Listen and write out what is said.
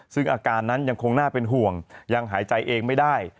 ซึ่งอาการนั้นยังคงน่าเป็นห่วงยังหายใจเองไม่ได้